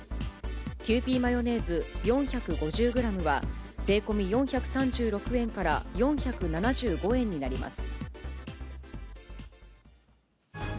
キユーピーマヨネーズ４５０グラムは、税込み４３６円から４７５円になります。